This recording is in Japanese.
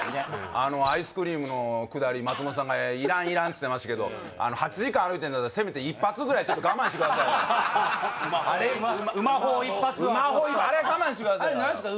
あのアイスクリームのくだり松本さんがいらんいらんっつってましたけど８時間歩いてんだったらせめて１発はあれは我慢してくださいよあれ何ですか？